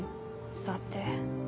さて？